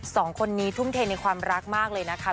สองคนนี้ทุ่มเทในความรักมากเลยนะคะ